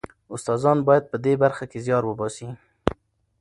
استادان باید په دې برخه کې زیار وباسي.